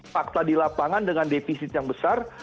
fakta di lapangan dengan defisit yang besar